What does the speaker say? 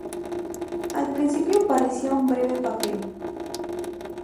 Al principio parecía un breve papel.